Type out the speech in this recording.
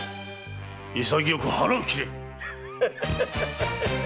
潔く腹を切れ！